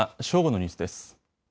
正午のニュースです。